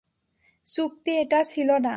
চুক্তি এটা ছিল না।